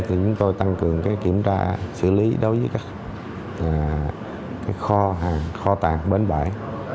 thì chúng tôi tăng cường kiểm tra xử lý đối với các kho hàng kho tạc bến bãi